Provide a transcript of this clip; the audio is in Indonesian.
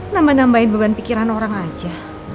nambah nambahin beban pikiran orang aja